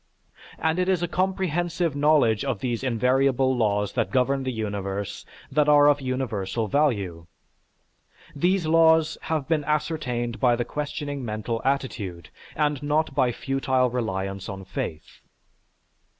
And it is a comprehensive knowledge of these invariable laws that govern the universe that are of universal value. These laws have been ascertained by the questioning mental attitude, and not by a futile reliance on faith.